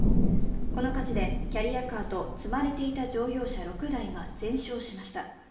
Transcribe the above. この火事で、キャリアカーと積まれていた乗用車６台が全焼しました。